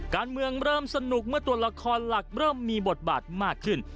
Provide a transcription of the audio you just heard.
การเมืองเริ่มสนุกเมื่อตัวละครหลักเริ่มมีบทบาทมากขึ้น